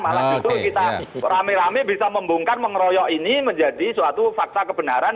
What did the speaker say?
malah justru kita rame rame bisa membongkar mengeroyok ini menjadi suatu fakta kebenaran